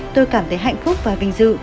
tôi cảm thấy hạnh phúc và vinh dự